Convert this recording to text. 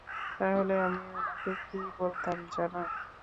তাহলে আমি উনাকে কী বলতাম, জান?